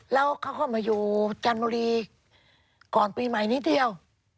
แล้วเขาก็มาอยู่จันทบุรีก่อนปีใหม่นิดเดียว